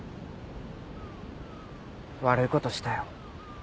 悪いことしたよ。